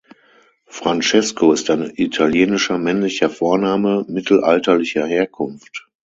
Francesco ist ein italienischer männlicher Vorname mittelalterlicher Herkunft.